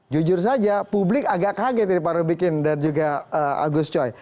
jujur saja publik agak kaget ini pak rubikin dan juga gus coy